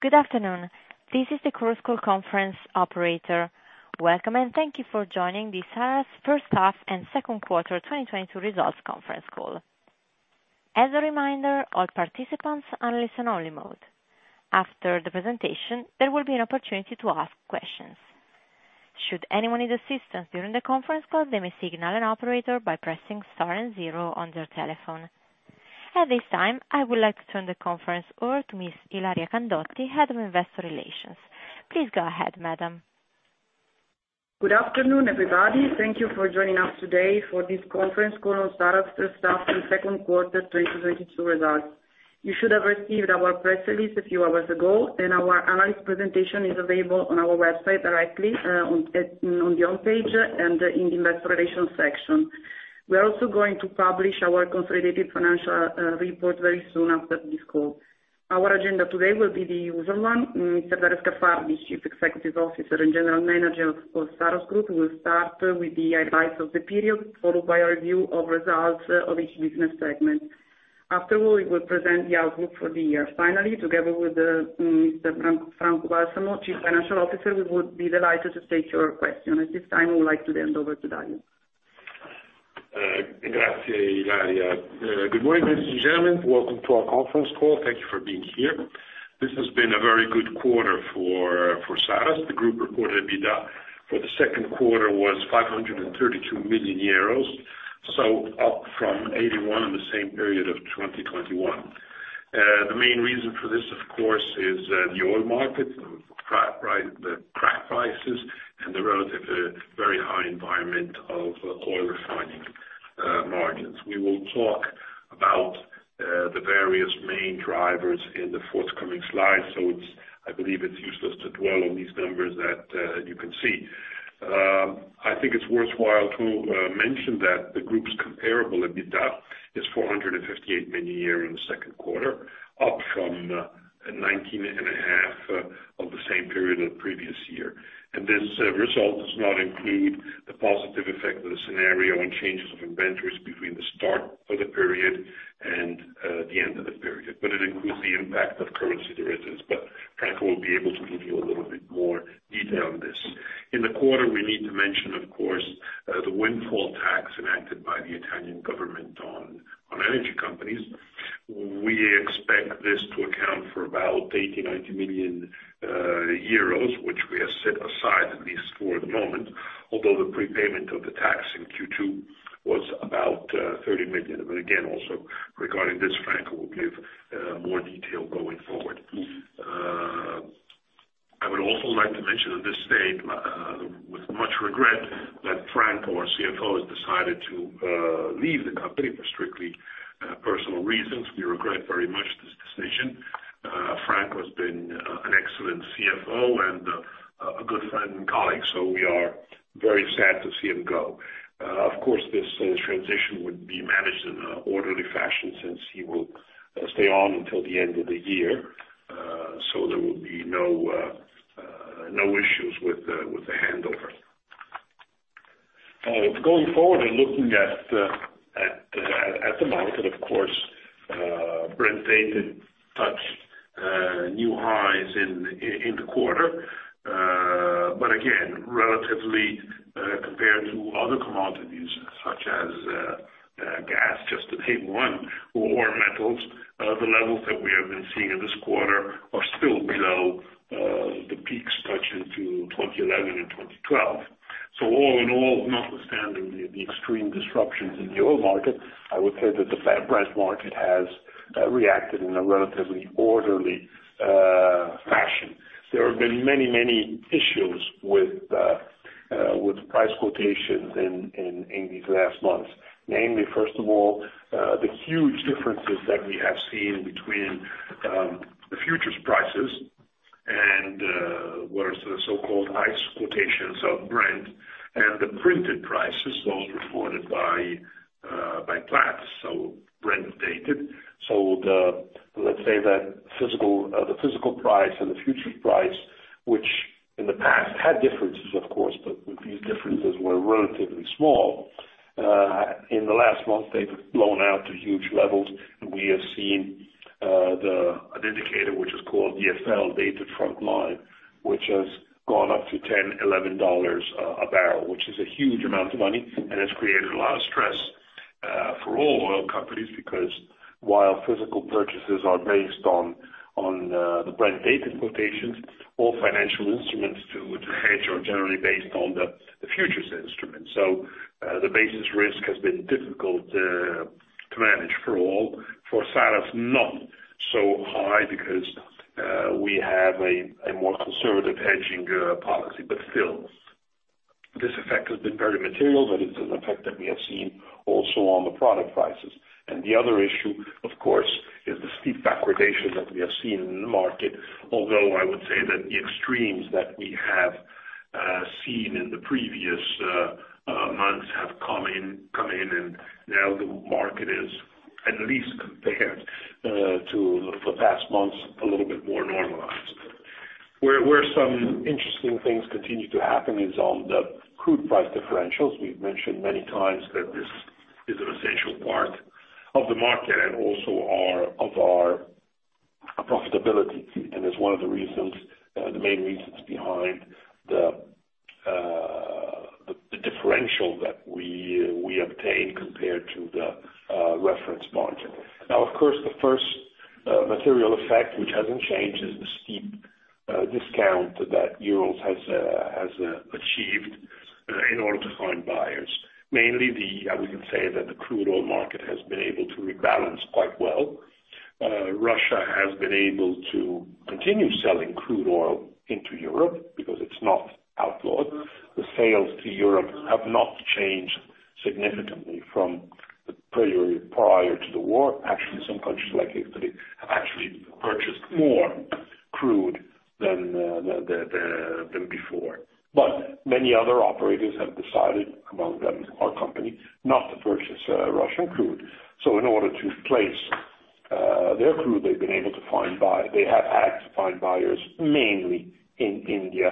Good afternoon. This is the Chorus Call conference operator. Welcome, and thank you for joining the Saras first half and second quarter 2022 results conference call. As a reminder, all participants are in listen-only mode. After the presentation, there will be an opportunity to ask questions. Should anyone need assistance during the conference call, they may signal an operator by pressing star and zero on their telephone. At this time, I would like to turn the conference over to Ms. Ilaria Candotti, Head of Investor Relations. Please go ahead, madam. Good afternoon, everybody. Thank you for joining us today for this conference call on Saras first half and second quarter 2022 results. You should have received our press release a few hours ago, and our analyst presentation is available on our website directly on the home page and in Investor Relations section. We are also going to publish our consolidated financial report very soon after this call. Our agenda today will be the usual one. Mr. Dario Scaffardi, Chief Executive Officer and General Manager of Saras Group, will start with the highlights of the period, followed by a review of results of each business segment. After all, we will present the outlook for the year. Finally, together with Mr. Franco Balsamo, Chief Financial Officer, we would be delighted to take your question. At this time, I would like to hand over to Dario. Good morning, ladies and gentlemen. Welcome to our conference call. Thank you for being here. This has been a very good quarter for Saras. The group reported EBITDA for the second quarter was 532 million euros, so up from 81 in the same period of 2021. The main reason for this, of course, is the oil market, the crack prices and the relative very high environment of oil refining margins. We will talk about the various main drivers in the forthcoming slides, so I believe it's useless to dwell on these numbers that you can see. I think it's worthwhile to mention that the group's comparable EBITDA is 458 million in the second quarter, up from 19.5 of the same period of the previous year. This result does not include the positive effect of the change in inventories between the start of the period and the end of the period, but it includes the impact of currency derivatives. Franco will be able to give you a little bit more detail on this. In the quarter we need to mention, of course, the windfall tax enacted by the Italian government on energy companies. We expect this to account for about 80-90 million euros, which we have set aside, at least for the moment, although the prepayment of the tax in Q2 was about 30 million. Again, also regarding this, Franco will give more detail going forward. I would also like to mention at this stage, with much regret that Franco, our CFO, has decided to leave the company for strictly personal reasons. We regret very much this decision. Franco has been an excellent CFO and a good friend and colleague, so we are very sad to see him go. Of course this transition would be managed in an orderly fashion since he will stay on until the end of the year. There will be no issues with the handover. Going forward and looking at the market, of course, Brent Dated touched new highs in the quarter. Again, relatively, compared to other commodities such as gas, just to name one, or metals, the levels that we have been seeing in this quarter are still below the peaks touching to 2011 and 2012. All in all, notwithstanding the extreme disruptions in the oil market, I would say that the Brent market has reacted in a relatively orderly fashion. There have been many issues with price quotations in these last months. Namely, first of all, the huge differences that we have seen between the futures prices and what are the so-called ICE quotations of Brent and the printed prices as well as reported by Platts, so Brent Dated. Let's say the physical price and the future price, which in the past had differences of course, but these differences were relatively small. In the last month, they've blown out to huge levels. We have seen an indicator which is called DFL, Dated-to-Frontline, which has gone up to $10-$11 a barrel, which is a huge amount of money and has created a lot of stress for all oil companies. Because while physical purchases are based on the Brent Dated quotations or financial instruments to hedge are generally based on the futures instrument. The basis risk has been difficult to manage for all. For Saras, not so high because we have a more conservative hedging policy, but still this effect has been very material, but it's an effect that we have seen also on the product prices. The other issue, of course, is the steep backwardation that we have seen in the market. Although I would say that the extremes that we have seen in the previous months have come in and now the market is at least compared to the past months, a little bit more normalized. Where some interesting things continue to happen is on the crude price differentials. We've mentioned many times that this is an essential part of the market and also our profitability, and is one of the reasons, the main reasons behind the differential that we obtain compared to the reference margin. Now, of course, the first material effect, which hasn't changed, is the steep discount that Urals has achieved in order to find buyers. Mainly, I would say that the crude oil market has been able to rebalance quite well. Russia has been able to continue selling crude oil into Europe because it's not outlawed. The sales to Europe have not changed significantly from the period prior to the war. Actually, some countries like Italy have actually purchased more crude than before. Many other operators have decided, among them our company, not to purchase Russian crude. In order to place their crude, they have had to find buyers, mainly in India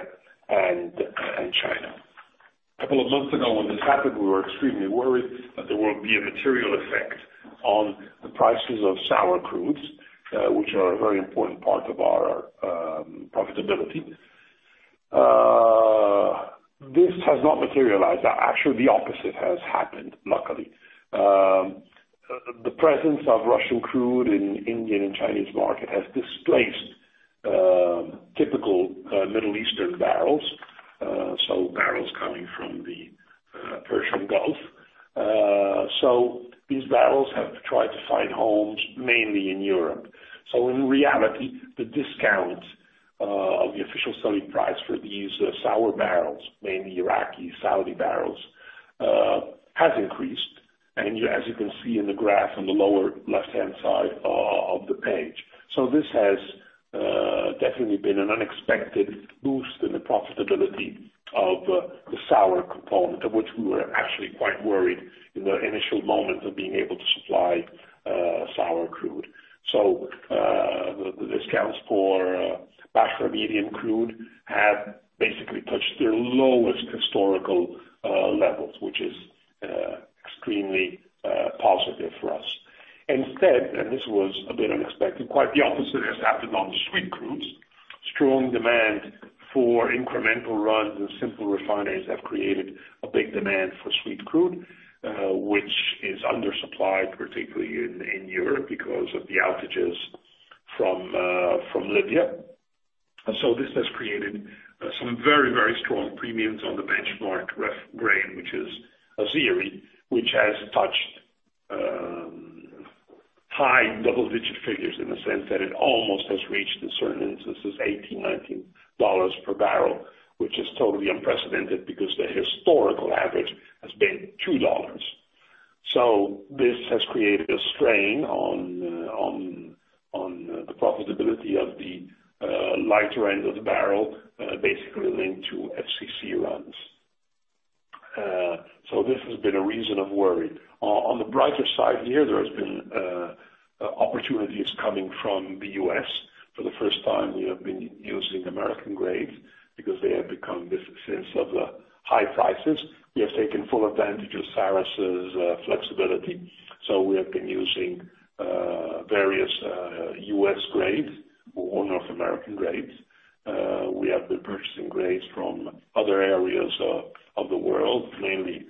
and China. A couple of months ago when this happened, we were extremely worried that there would be a material effect on the prices of sour crudes, which are a very important part of our profitability. This has not materialized. Actually the opposite has happened, luckily. The presence of Russian crude in Indian and Chinese market has displaced typical Middle Eastern barrels, so barrels coming from the Persian Gulf. These barrels have tried to find homes mainly in Europe. In reality, the discount of the official selling price for these sour barrels, mainly Iraqi, Saudi barrels, has increased. As you can see in the graph on the lower left-hand side of the page. This has definitely been an unexpected boost in the profitability of the sour component, of which we were actually quite worried in the initial moment of being able to supply sour crude. The discounts for Basrah Medium crude have basically touched their lowest historical levels, which is extremely positive for us. Instead, and this was a bit unexpected, quite the opposite has happened on sweet crudes. Strong demand for incremental runs and simple refineries have created a big demand for sweet crude, which is undersupplied, particularly in Europe, because of the outages from Libya. This has created some very, very strong premiums on the benchmark ref grade, which is Azeri, which has touched high double-digit figures in the sense that it almost has reached in certain instances $18-$19 per barrel, which is totally unprecedented because the historical average has been $2. This has created a strain on the profitability of the lighter end of the barrel, basically linked to FCC runs. This has been a reason of worry. On the brighter side here, there has been opportunities coming from the U.S. For the first time, we have been using American grades because they have become, with the sense of the high prices, we have taken full advantage of Saras's flexibility, so we have been using various U.S. grades or North American grades. We have been purchasing grades from other areas of the world, mainly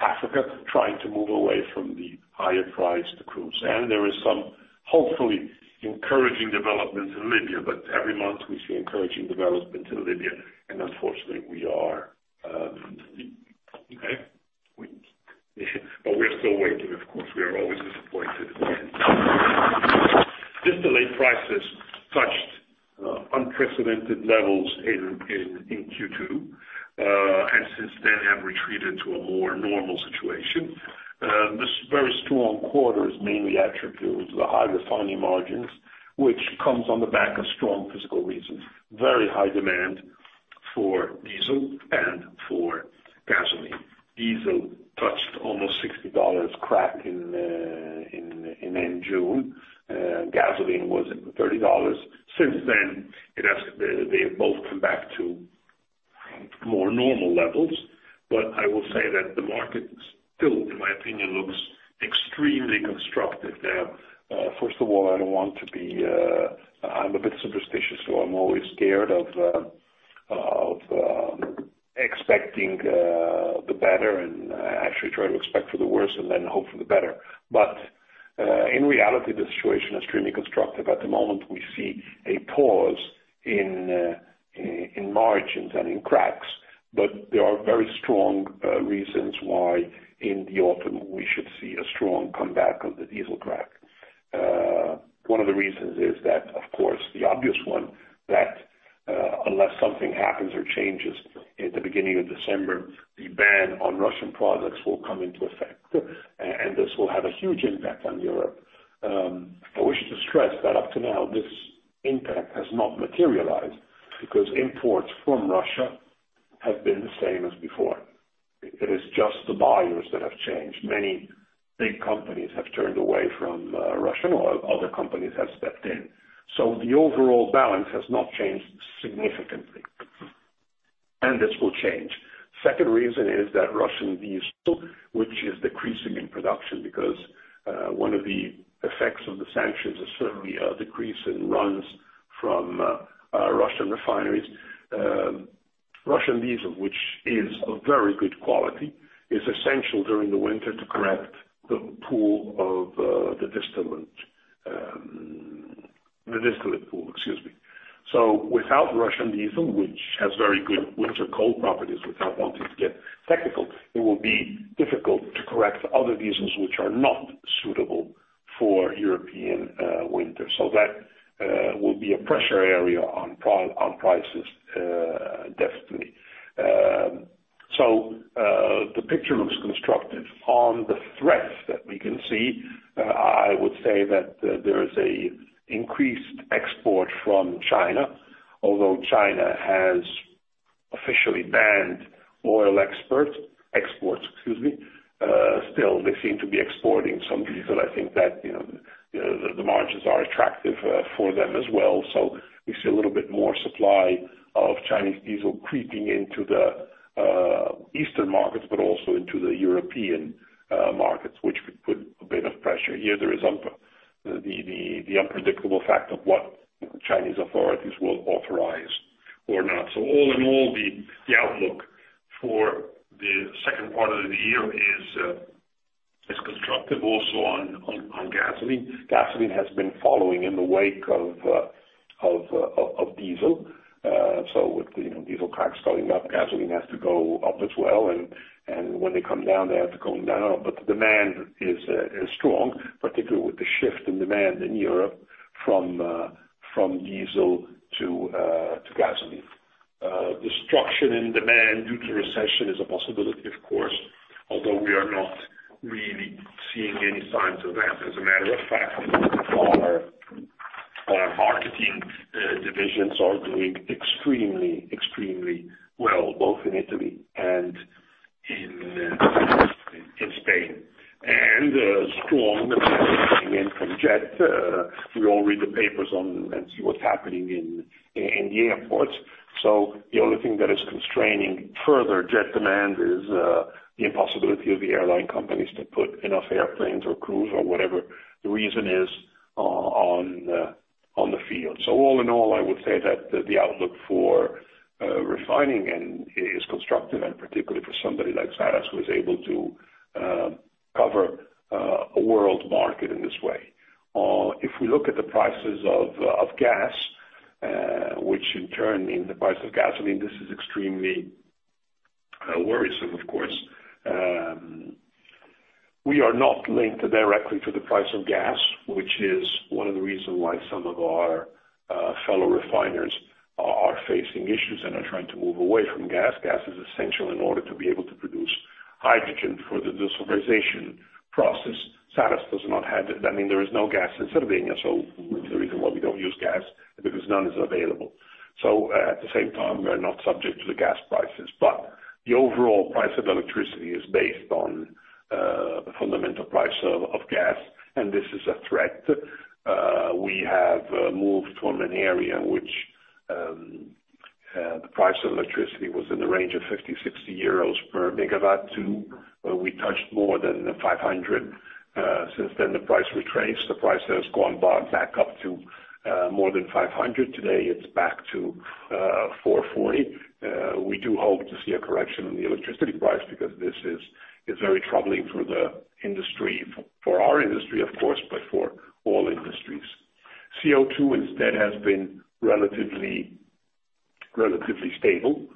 Africa, trying to move away from the higher-priced crudes. There is some hopefully encouraging developments in Libya, but every month we see encouraging development in Libya. We're still waiting, of course. We are always disappointed. Distillate prices touched unprecedented levels in Q2. Since then have retreated to a more normal situation. This very strong quarter is mainly attributed to the high refining margins, which comes on the back of strong physical reasons. Very high demand for diesel and for gasoline. Diesel touched almost $60 crack in end June. Gasoline was at $30. Since then, it has, they have both come back to more normal levels. I will say that the market still, in my opinion, looks extremely constructive. Now, first of all, I don't want to be. I'm a bit superstitious, so I'm always scared of expecting, the better and actually trying to expect for the worse and then hope for the better. In reality, the situation is extremely constructive. At the moment, we see a pause in margins and in cracks, but there are very strong reasons why in the autumn we should see a strong comeback of the diesel crack. One of the reasons is that, of course, the obvious one, that, unless something happens or changes at the beginning of December, the ban on Russian products will come into effect. And this will have a huge impact on Europe. I wish to stress that up to now, this impact has not materialized because imports from Russia have been the same as before. It is just the buyers that have changed. Many big companies have turned away from Russian oil, other companies have stepped in. The overall balance has not changed significantly, and this will change. Second reason is that Russian diesel, which is decreasing in production because one of the effects of the sanctions is certainly a decrease in runs from Russian refineries. Russian diesel, which is a very good quality, is essential during the winter to correct the pool of the distillate. The distillate pool, excuse me. Without Russian diesel, which has very good winter cold properties, without wanting to get technical, it will be difficult to correct other diesels which are not suitable for European winter. That will be a pressure area on product prices, definitely. The picture looks constructive. On the threats that we can see, I would say that there is an increased export from China. Although China has officially banned oil exports, excuse me, still they seem to be exporting some diesel. I think that, you know, the margins are attractive for them as well. We see a little bit more supply of Chinese diesel creeping into the eastern markets, but also into the European markets, which could put a bit of pressure here. There is the unpredictable fact of what Chinese authorities will authorize or not. All in all, the outlook for the second part of the year is constructive also on gasoline. Gasoline has been following in the wake of diesel. So with, you know, diesel cracks going up, gasoline has to go up as well and when they come down, they have to come down. But the demand is strong, particularly with the shift in demand in Europe from diesel to gasoline. Demand destruction due to recession is a possibility of course, although we are not really seeing any signs of that. As a matter of fact, our marketing divisions are doing extremely well, both in Italy and in Spain. Strong again from jet. We all read the papers and see what's happening in the airports. The only thing that is constraining further jet demand is the impossibility of the airline companies to put enough airplanes or crews or whatever the reason is on the field. All in all, I would say that the outlook for refining is constructive and particularly for somebody like Saras who is able to cover a world market in this way. If we look at the prices of gas, which in turn is in the price of gasoline, this is extremely worrisome of course. We are not linked directly to the price of gas, which is one of the reasons why some of our fellow refiners are facing issues and are trying to move away from gas. Gas is essential in order to be able to produce hydrogen for the decarbonization process. Saras does not have. I mean, there is no gas in Slovenia, so the reason why we don't use gas, because none is available. At the same time, we are not subject to the gas prices. The overall price of electricity is based on the fundamental price of gas, and this is a threat. We have moved from an area which the price of electricity was in the range of 50-60 euros per MW to where we touched more than 500. Since then the price retraced. The price has gone back up to more than 500. Today, it's back to 440. We do hope to see a correction in the electricity price because this is very troubling for the industry. For our industry of course, but for all industries. CO2 instead has been relatively stable.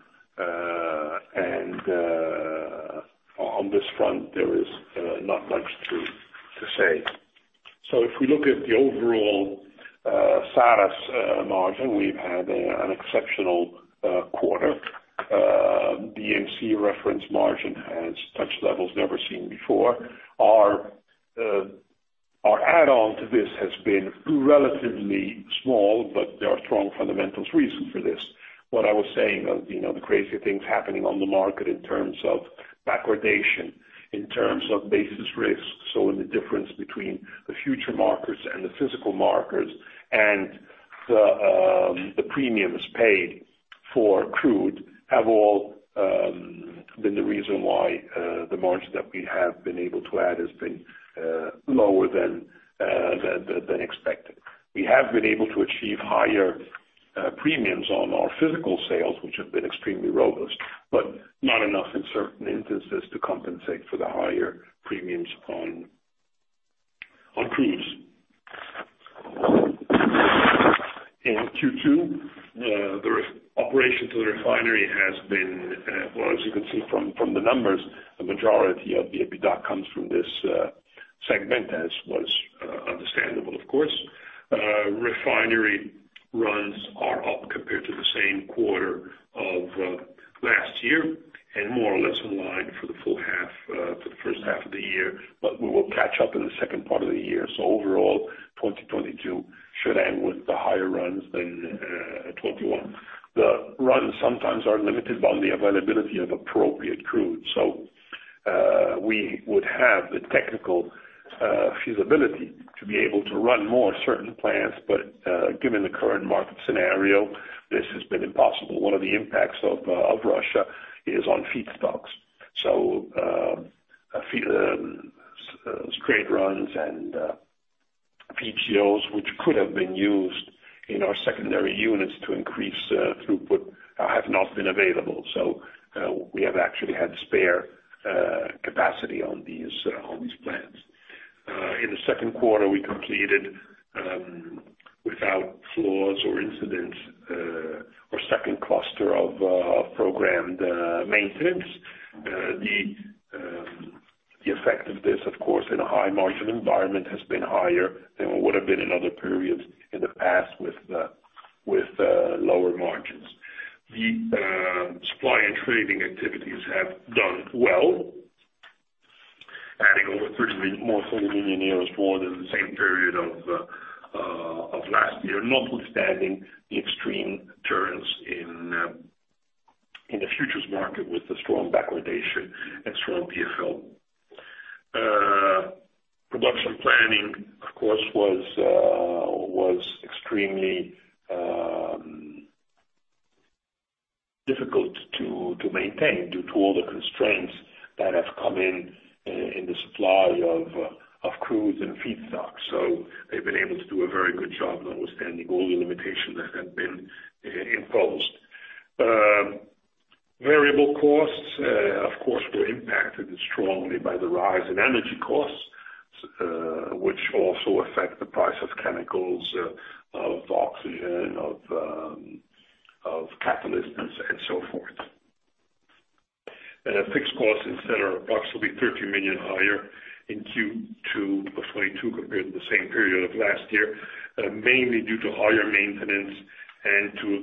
On this front, there is not much to say. If we look at the overall Saras margin, we've had an exceptional quarter. The EMC reference margin has touched levels never seen before. Our add-on to this has been relatively small, but there are strong fundamental reasons for this. What I was saying of, you know, the crazy things happening on the market in terms of backwardation, in terms of basis risk, so in the difference between the futures markets and the physical markets and the premiums paid for crude have all been the reason why the margin that we have been able to add has been lower than expected. We have been able to achieve higher premiums on our physical sales, which have been extremely robust, but not enough in certain instances to compensate for the higher premiums on crudes. In Q2, the operation of the refinery has been, as you can see from the numbers, the majority of the EBITDA comes from this segment as was understandable of course. Refinery runs are up compared to the same quarter of last year, and more or less in line, up in the second part of the year. Overall, 2022 should end with higher runs than 2021. The runs sometimes are limited by the availability of appropriate crude. We would have the technical feasibility to be able to run more certain plants. Given the current market scenario, this has been impossible. One of the impacts of Russia is on feedstocks. Sour grade runs and VGOs, which could have been used in our secondary units to increase throughput, have not been available. We have actually had spare capacity on these plants. In the second quarter, we completed without flaws or incidents our second cluster of programmed maintenance. The effect of this, of course, in a high margin environment, has been higher than it would have been in other periods in the past with lower margins. The supply and trading activities have done well, adding more than 40 million more than the same period of last year, notwithstanding the extreme turns in the futures market with the strong backwardation and strong EFL. Production planning, of course, was extremely difficult to maintain due to all the constraints that have come in the supply of crude and feedstocks. They've been able to do a very good job notwithstanding all the limitations that have been imposed. Variable costs, of course, were impacted strongly by the rise in energy costs, which also affect the price of chemicals, of oxygen, of catalysts and so forth. Our fixed costs instead are approximately 30 million higher in Q2 of 2022 compared to the same period of last year, mainly due to higher maintenance and to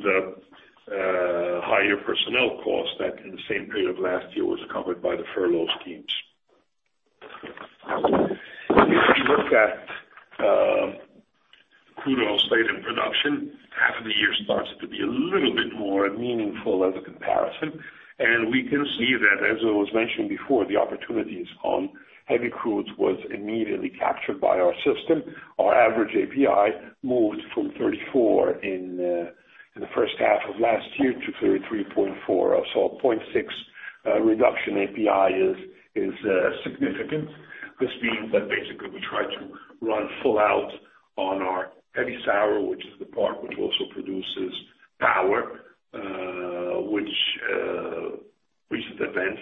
the higher personnel costs that in the same period of last year was covered by the furlough schemes. If we look at crude oil slate and production, half of the year starts to be a little bit more meaningful as a comparison. We can see that, as it was mentioned before, the opportunities on heavy crudes was immediately captured by our system. Our average API moved from 34 in the first half of last year to 33.4. So a 0.6 reduction API is significant. This means that basically we try to run full out on our heavy sour, which is the part which also produces power, which recent events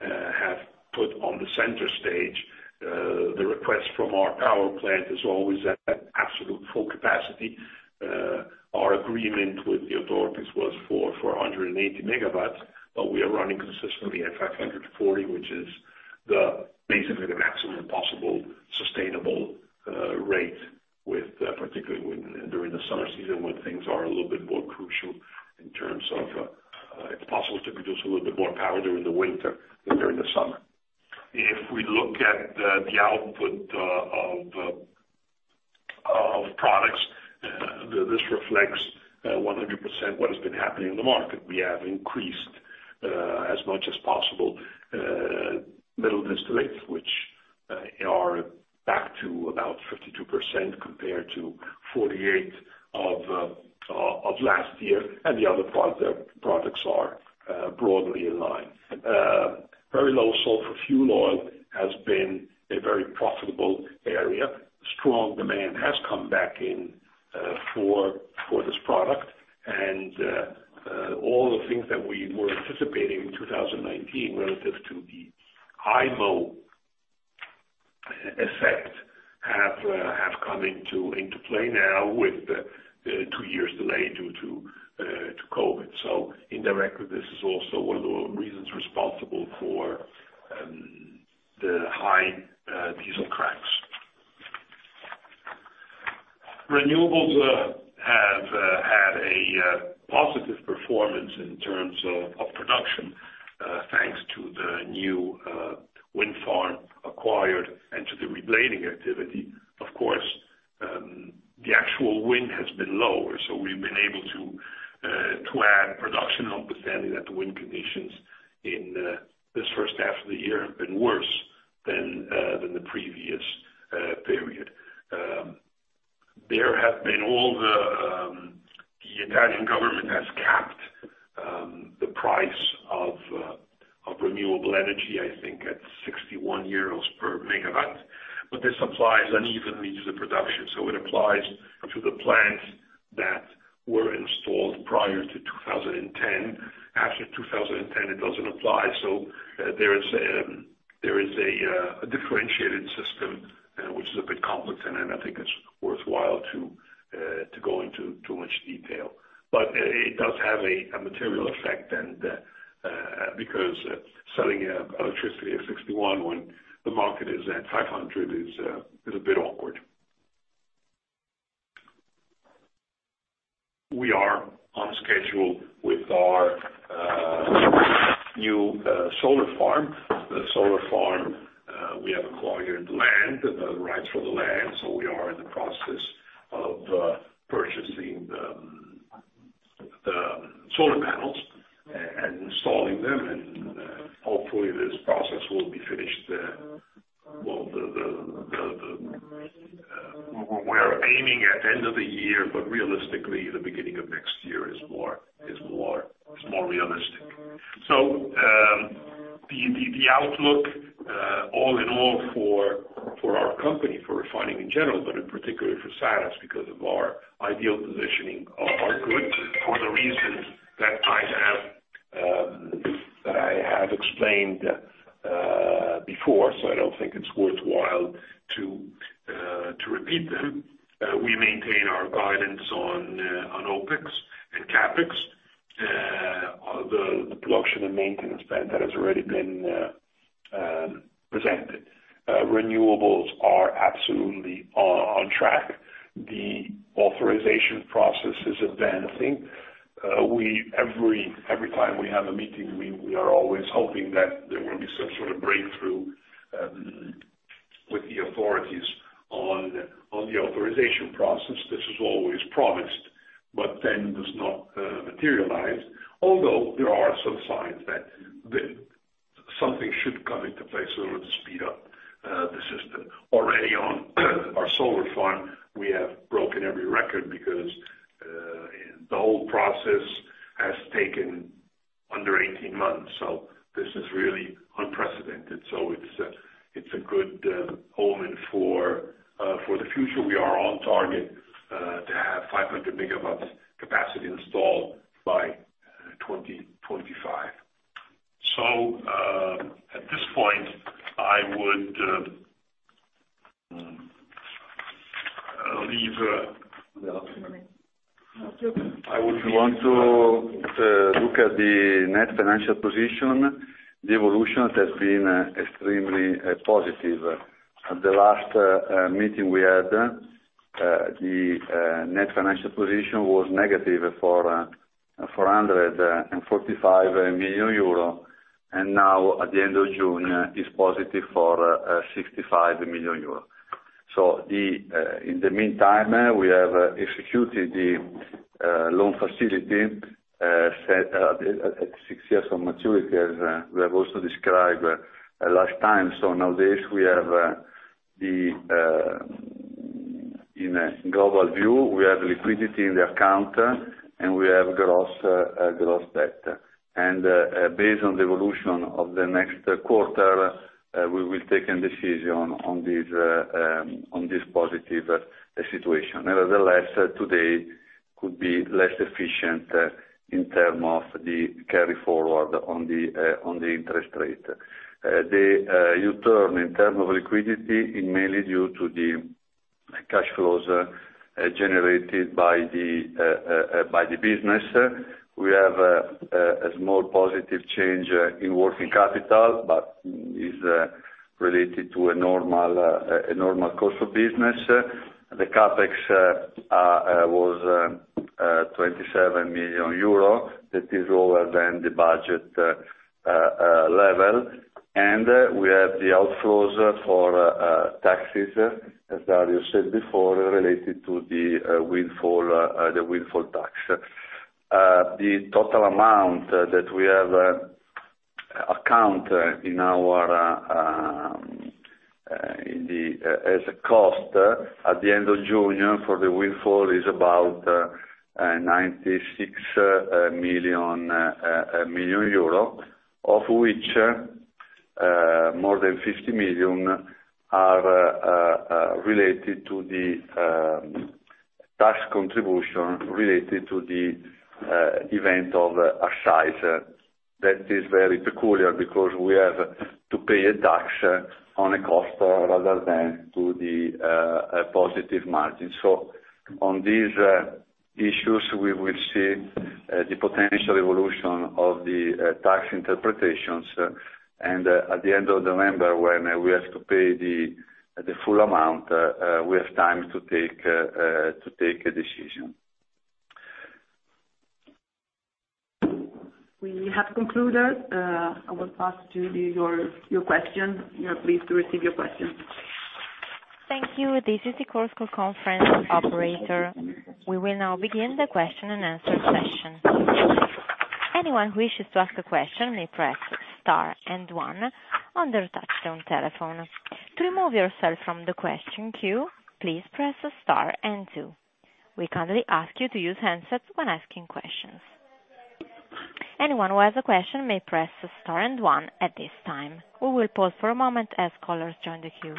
have put on the center stage. The request from our power plant is always at absolute full capacity. Our agreement with the authorities was for 480 MW, but we are running consistently at 540, which is basically the maximum possible sustainable rate, particularly when during the summer season when things are a little bit more crucial in terms of it's possible to produce a little bit more power during the winter than during the summer. If we look at the output of products, this reflects 100% what has been happening in the market. We have increased, as much as possible, middle distillates, which are back to about 52% compared to 48% of last year. The other products are broadly in line. Very low sulfur fuel oil has been a very profitable area. Strong demand has come back in for this product. All the things that we were anticipating in 2019 relative to the IMO effect have come into play now with the two years delay due to COVID. Indirectly, this is also one of the reasons responsible for the high diesel cracks. Renewables have had a positive performance in terms of production, thanks to the new wind farm acquired and to the reblading activity. Of course, the actual wind has been lower, so we've been able to add production notwithstanding that the wind conditions in this first half of the year have been worse than the previous period. There have been all the Italian government has capped the price of renewable energy, I think at 61 euros per MW, but this applies unevenly to the production. It applies to the plants that were installed prior to 2010. After 2010, it doesn't apply. There is a differentiated system which is a bit complicated, and I think it's worthwhile to go into too much detail. It does have a material effect and because selling electricity at 61 when the market is at 500 is a bit awkward. We are on schedule with our new solar farm. The solar farm we have acquired the land, the rights for the land, so we are in the process of purchasing the solar panels and installing them, and hopefully this process will be finished, well, we're aiming at end of the year, but realistically the beginning of next year is more realistic. The outlook all in all for our company, for refining in general, but in particular for Saras because of our ideal positioning are good for the reasons that I have explained before. I don't think it's worthwhile to repeat them. We maintain our guidance on OpEx and CapEx. The production and maintenance spend that has already been presented. Renewables are absolutely on track. The authorization process is advancing. Every time we have a meeting, we are always hoping that there will be some sort of breakthrough with the authorities on the authorization process. This is always promised, but then does not materialize, although there are some signs that something should come into place that would speed up the system. Already on our solar farm, we have broken every record because the whole process has taken under 18 months. This is really unprecedented. It's a good omen for the future. We are on target to have 500 MW capacity installed by 2025. At this point, I would leave. I would want to look at the net financial position. The evolution has been extremely positive. At the last meeting we had, the net financial position was negative 445 million euro, and now at the end of June is positive 65 million euro. In the meantime, we have executed the loan facility set at six years on maturity, as we have also described last time. Nowadays we have, in a global view, we have liquidity in the account, and we have gross debt. Based on the evolution of the next quarter, we will take a decision on this positive situation. Nevertheless, today could be less efficient in terms of the carry forward on the interest rate. The U-turn in terms of liquidity is mainly due to the cash flows generated by the business. We have a small positive change in working capital, but is related to a normal course of business. The CapEx was 27 million euro. That is lower than the budget level. We have the outflows for taxes, as Dario said before, related to the windfall tax. The total amount that we have accounted for as a cost at the end of June for the windfall is about 96 million, of which more than 50 million are related to the tax contribution related to the event of a size that is very peculiar because we have to pay a tax on a cost rather than a positive margin. On these issues, we will see the potential evolution of the tax interpretations. At the end of November, when we have to pay the full amount, we have time to take a decision. We have concluded. I will pass to your question. We are pleased to receive your questions. Thank you. This is the Chorus Call conference operator. We will now begin the question and answer session. Anyone who wishes to ask a question may press star and one on their touchtone telephone. To remove yourself from the question queue, please press star and two. We kindly ask you to use handsets when asking questions. Anyone who has a question may press star and one at this time. We will pause for a moment as callers join the queue.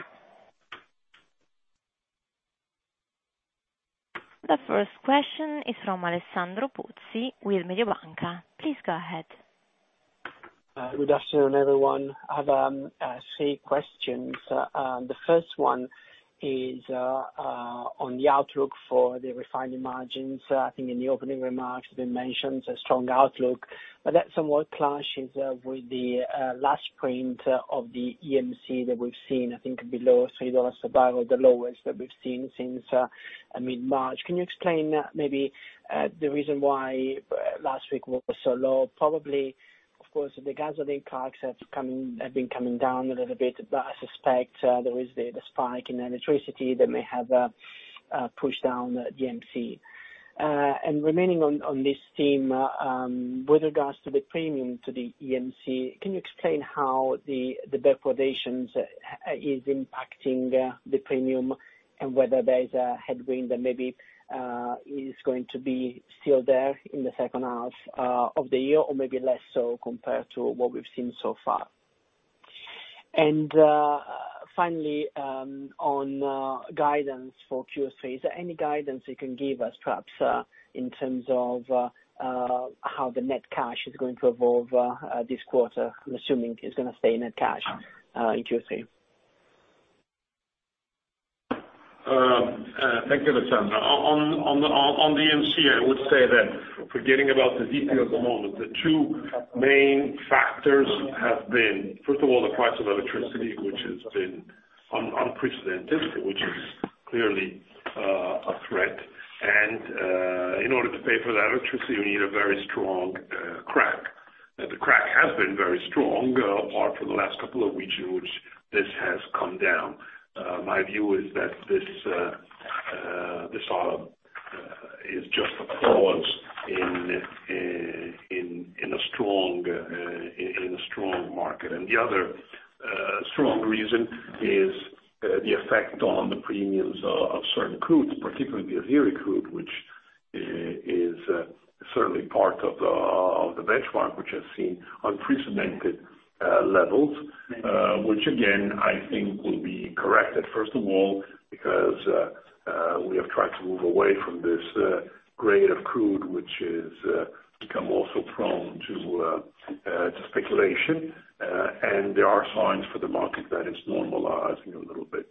The first question is from Alessandro Pozzi with Mediobanca. Please go ahead. Good afternoon, everyone. I have three questions. The first one is on the outlook for the refining margins. I think in the opening remarks it mentions a strong outlook, but that somewhat clashes with the last print of the EMC that we've seen, I think below $3 a barrel, the lowest that we've seen since mid-March. Can you explain maybe the reason why last week was so low? Of course, the gasoline cracks have been coming down a little bit, but I suspect there is the spike in electricity that may have pushed down EMC. Remaining on this theme, with regards to the premium to the EMC, can you explain how the backwardations is impacting the premium and whether there is a headwind that maybe is going to be still there in the second half of the year or maybe less so compared to what we've seen so far? Finally, on guidance for Q3, is there any guidance you can give us, perhaps, in terms of how the net cash is going to evolve this quarter? I'm assuming it's gonna stay net cash in Q3. Thank you, Alessandro. On the EMC, I would say that forgetting about the detail at the moment, the two main factors have been, first of all, the price of electricity, which has been unprecedented, which is clearly a threat. In order to pay for that electricity, you need a very strong crack. The crack has been very strong, apart from the last couple of weeks in which this has come down. My view is that this is just a pause in a strong market. The other strong reason is the effect on the premiums of certain crudes, particularly Azeri crude, which is certainly part of the benchmark, which has seen unprecedented levels. Which again, I think will be corrected, first of all, because we have tried to move away from this grade of crude, which has become also prone to speculation. There are signs in the market that it's normalizing a little bit.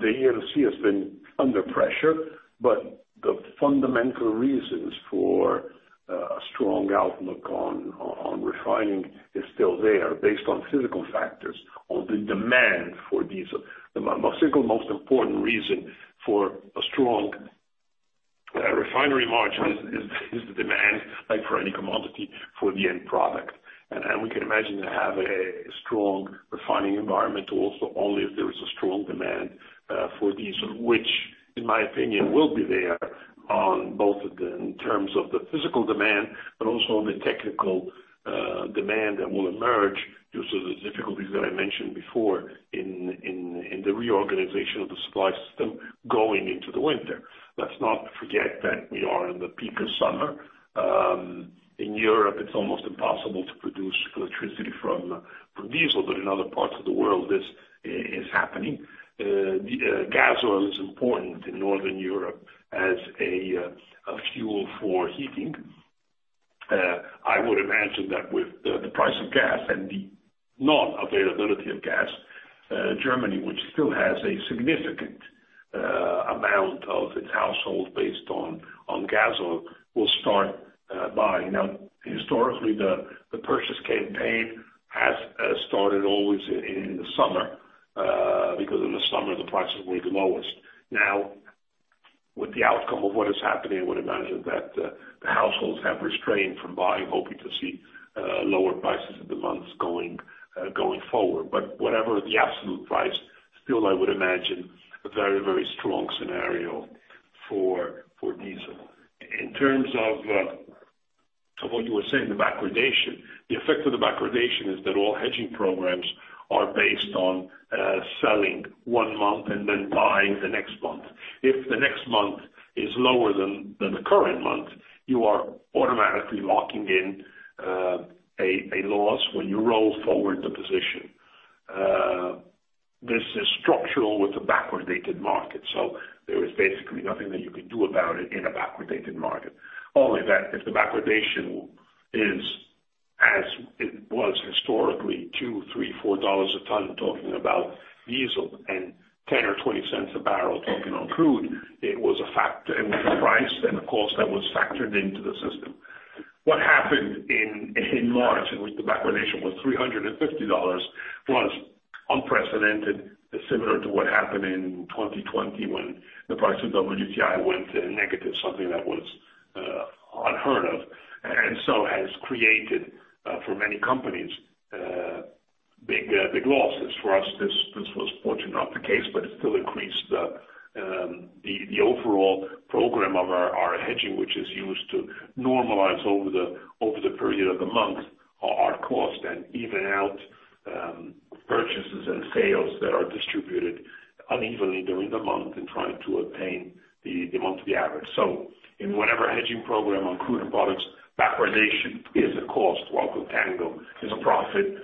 The EMC has been under pressure, but the fundamental reasons for a strong outlook on refining is still there based on physical factors or the demand for diesel. The single most important reason for a strong refinery margin is the demand, like for any commodity, for the end product. We can imagine to have a strong refining environment also, only if there is a strong demand for these, which in my opinion, will be there on both the terms of the physical demand but also the technical demand that will emerge due to the difficulties that I mentioned before in the reorganization of the supply system going into the winter. Let's not forget that we are in the peak of summer. In Europe, it's almost impossible to produce electricity from diesel, but in other parts of the world this is happening. The gas oil is important in Northern Europe as a fuel for heating. I would imagine that with the price of gas and the non-availability of gas, Germany, which still has a significant amount of its households based on gas oil, will start buying. Now, historically, the purchase campaign has started always in the summer because in the summer the prices were the lowest. Now, with the outcome of what is happening, I would imagine that the households have restrained from buying, hoping to see lower prices in the months going forward. But whatever the absolute price, still, I would imagine a very, very strong scenario for diesel. In terms of what you were saying, the backwardation, the effect of the backwardation is that all hedging programs are based on selling one month and then buying the next month. If the next month is lower than the current month, you are automatically locking in a loss when you roll forward the position. This is structural with the backwardated market, so there is basically nothing that you can do about it in a backwardated market. Only that if the backwardation is, as it was historically, $2-$4 a ton, talking about diesel and $0.10 or $0.20 a barrel talking about crude, it was a fact and a price and a cost that was factored into the system. What happened in March in which the backwardation was $350 was unprecedented. Similar to what happened in 2020 when the price of WTI went negative, something that was unheard of has created for many companies big losses. For us, this was fortunately not the case, but it still increased the overall program of our hedging, which is used to normalize over the period of the month our cost and even out purchases and sales that are distributed unevenly during the month in trying to obtain the monthly average. In whatever hedging program on crude and products, backwardation is a cost, while contango is a profit.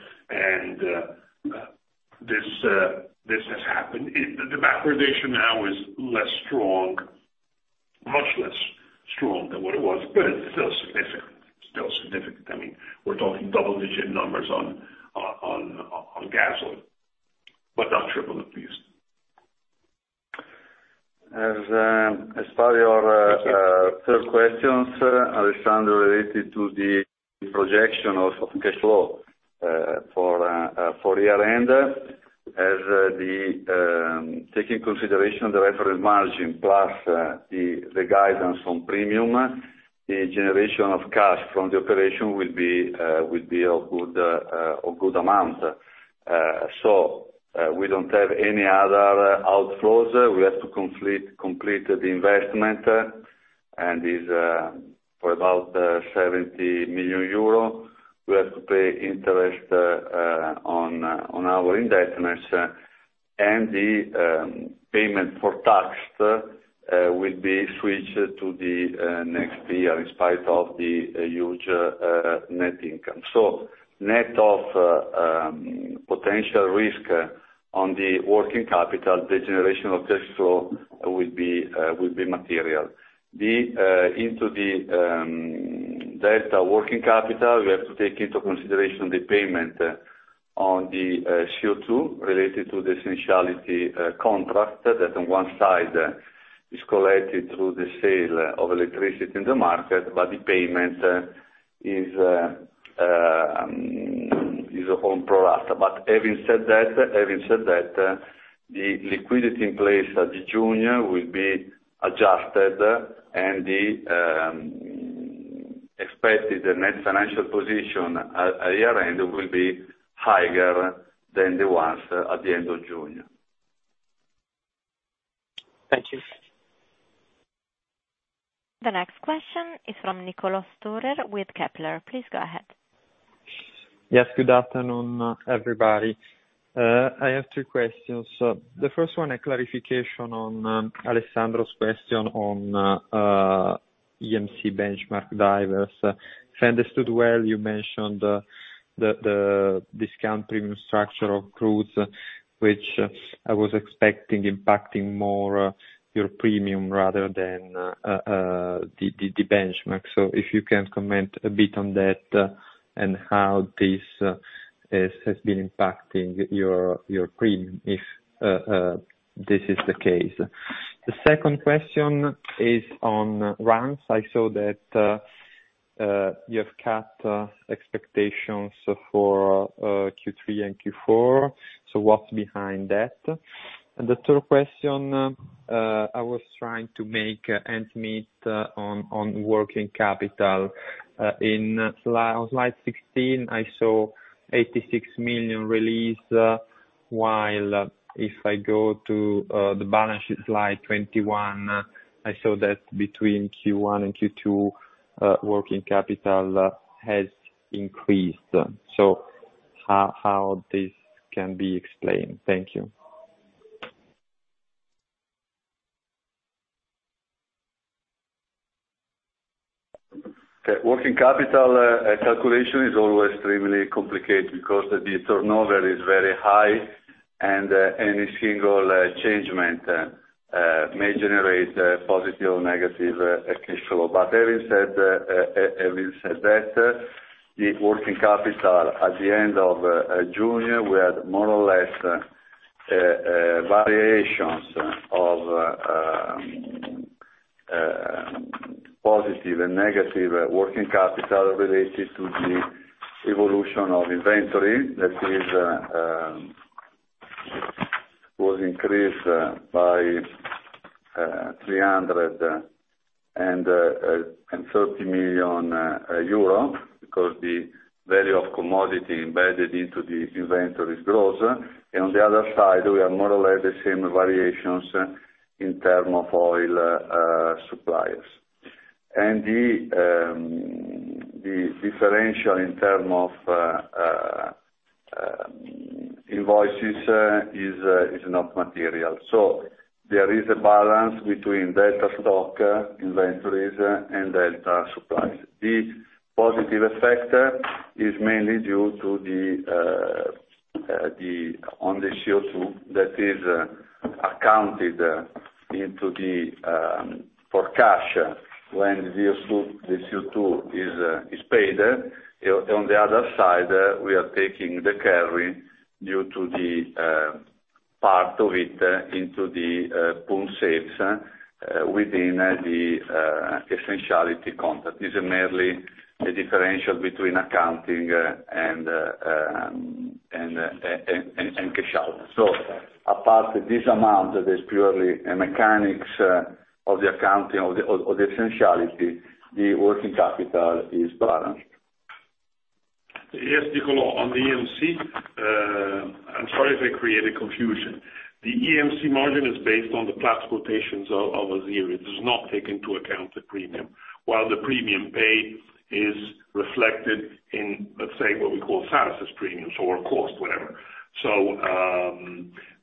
This has happened. The backwardation now is less strong, much less strong than what it was, but it's still significant. Still significant. I mean, we're talking double-digit numbers on gasoline, but not triple in diesel. As part of your third question, Alessandro. Related to the projection of cash flow for year-end, taking consideration the reference margin, plus the guidance on premium, the generation of cash from the operation will be a good amount. We don't have any other outflows. We have to complete the investment, and is for about 70 million euro. We have to pay interest on our indebtedness. The payment for tax will be switched to the next year, in spite of the huge net income. Net of potential risk on the working capital, the generation of cash flow will be material. Into the delta working capital, we have to take into consideration the payment on the CO2 related to the essentiality contract, that on one side is collected through the sale of electricity in the market, but the payment is on pro rata. Having said that, the liquidity in place at June will be adjusted and the expected net financial position at year-end will be higher than the ones at the end of June. Thank you. The next question is from Niccolò Storer with Kepler. Please go ahead. Yes, good afternoon, everybody. I have two questions. The first one, a clarification on Alessandro's question on EMC benchmark versus. If I understood well, you mentioned the discount premium structure of Urals, which I was expecting impacting more your premium rather than the benchmark. If you can comment a bit on that, and how this has been impacting your premium, if this is the case. The second question is on Urals. I saw that you have cut expectations for Q3 and Q4. What's behind that? The third question, I was trying to make ends meet on working capital. In sli... On slide 16, I saw 86 million release, while if I go to the balance sheet, slide 21, I saw that between Q1 and Q2, working capital has increased. How this can be explained? Thank you. Okay. Working capital calculation is always extremely complicated because the turnover is very high, and any single change may generate a positive or negative cash flow. Having said that, the working capital at the end of June, we had more or less variations of positive and negative working capital related to the evolution of inventory. That is, was increased by EUR 330 million because the value of commodity embedded into the inventory is gross. On the other side, we have more or less the same variations in terms of oil suppliers. The differential in terms of invoices is not material. There is a balance between delta stock inventories and delta supplies. The positive effect is mainly due to the accounting for the CO2 that is accounted for in cash when the CO2 is paid. On the other side, we are taking the carry due to the part of it in the pool sales within the essentiality contract. This is merely a differential between accounting and cash out. Apart from this amount is purely a mechanics of the accounting of the essentiality, the working capital is balanced. Yes, Niccolò, on the EMC, I'm sorry if I created confusion. The EMC margin is based on the Platts quotations of Azeri. It does not take into account the premium. While the premium paid is reflected in, let's say, what we call services premiums or cost, whatever.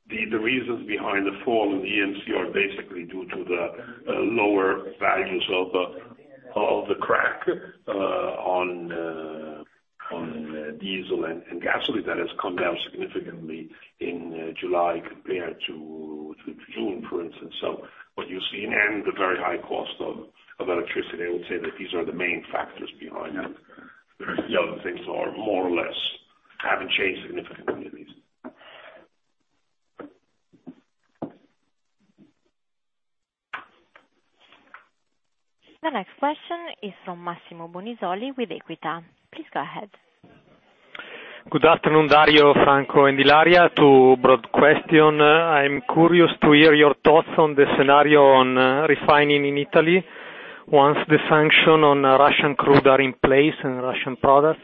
The reasons behind the fall in EMC are basically due to the lower values of the crack on diesel and gasoline. That has come down significantly in July compared to June, for instance. What you see, and the very high cost of electricity, I would say that these are the main factors behind it. The other things are more or less haven't changed significantly. The next question is from Massimo Bonisoli with Equita. Please go ahead. Good afternoon, Dario, Franco and Ilaria. Two broad question. I'm curious to hear your thoughts on the scenario on refining in Italy once the sanction on Russian crude are in place and Russian products.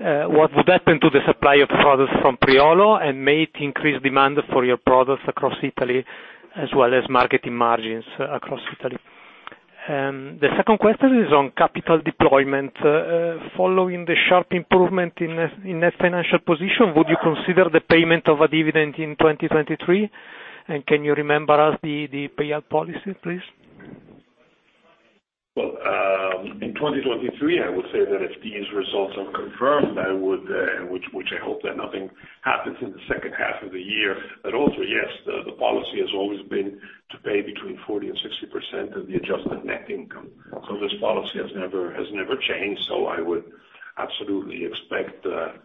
What would happen to the supply of products from Priolo and may it increase demand for your products across Italy as well as marketing margins across Italy? The second question is on capital deployment. Following the sharp improvement in net financial position, would you consider the payment of a dividend in 2023? Can you remind us the payout policy, please? Well, in 2023, I would say that if these results are confirmed, I hope that nothing happens in the second half of the year at all, yes, the policy has always been to pay between 40%-60% of the adjusted net income. This policy has never changed, I would absolutely expect the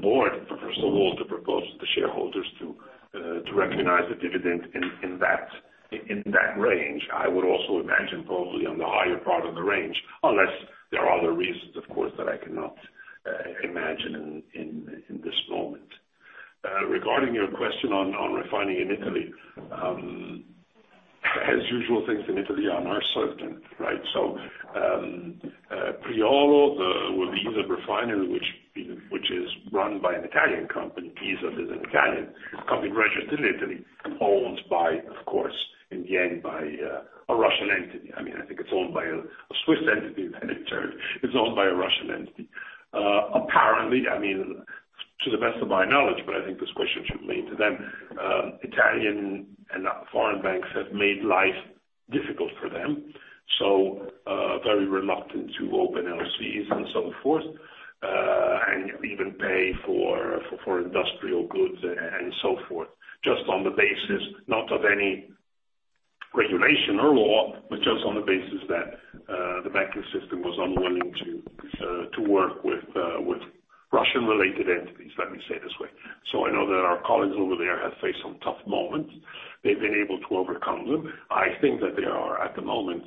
board, first of all, to propose to the shareholders to recognize the dividend in that range. I would also imagine probably on the higher part of the range, unless there are other reasons of course that I cannot imagine in this moment. Regarding your question on refining in Italy, as usual things in Italy are not certain, right? Priolo, well, the ISAB refinery, which is run by an Italian company. ISAB is an Italian company registered in Italy, owned by, of course, in the end by a Russian entity. I mean, I think it's owned by a Swiss entity, then in turn is owned by a Russian entity. Apparently, I mean, to the best of my knowledge, but I think this question should be made to them. Italian and foreign banks have made life difficult for them, so very reluctant to open LCs and so forth, and even pay for industrial goods and so forth, just on the basis, not of any regulation or law, but just on the basis that the banking system was unwilling to work with Russian-related entities, let me say it this way. I know that our colleagues over there have faced some tough moments. They've been able to overcome them. I think that they are, at the moment,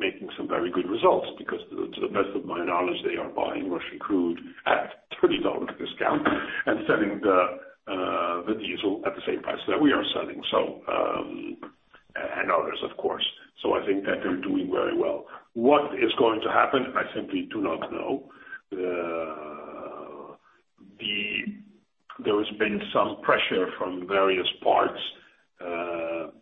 making some very good results because to the best of my knowledge, they are buying Russian crude at $30 discount and selling the diesel at the same price that we are selling. And others, of course. I think that they're doing very well. What is going to happen, I simply do not know. There has been some pressure from various parts to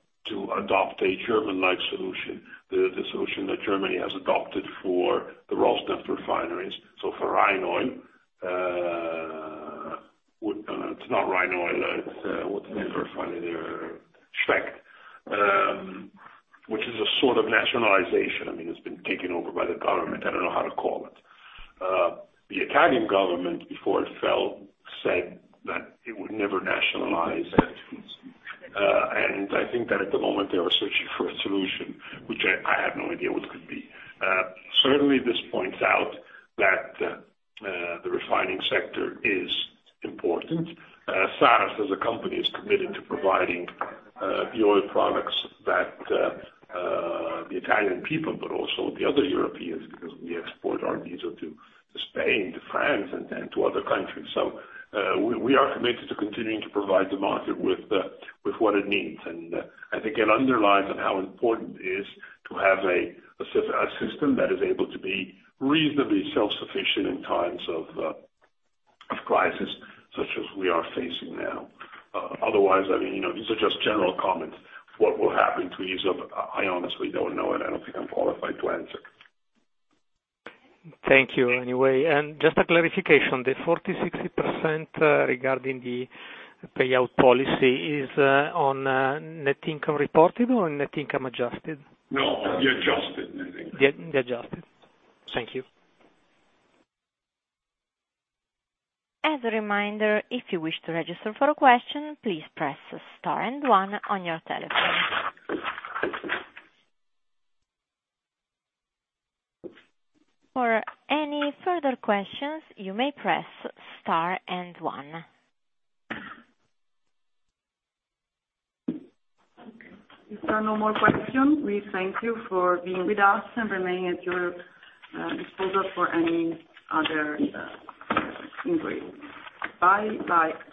adopt a German-like solution, the solution that Germany has adopted for the Rosneft refineries. For Rosneft, it's not Rosneft, it's what's the name of the refinery? Schwedt, which is a sort of nationalization. I mean, it's been taken over by the government. I don't know how to call it. The Italian government, before it fell, said that it would never nationalize. I think that at the moment, they are searching for a solution, which I have no idea what could be. Certainly this points out that the refining sector is important. Saras as a company is committed to providing the oil products that the Italian people, but also the other Europeans, because we export our diesel to Spain, to France and to other countries. We are committed to continuing to provide the market with what it needs. I think it underlines on how important it is to have a system that is able to be reasonably self-sufficient in times of crisis such as we are facing now. Otherwise, I mean, you know, these are just general comments. What will happen to ISAB, I honestly don't know, and I don't think I'm qualified to answer. Thank you anyway. Just a clarification, the 40%-60% regarding the payout policy, is on net income reported or net income adjusted? No, the adjusted net income. Net income, the adjusted. Thank you. As a reminder, if you wish to register for a question, please press star and one on your telephone. For any further questions, you may press star and one. If there are no more questions, we thank you for being with us and remain at your disposal for any other inquiries. Bye-bye.